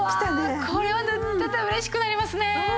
これは塗ってて嬉しくなりますね！